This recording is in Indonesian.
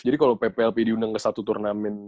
jadi kalau pplp diundang ke satu turnamen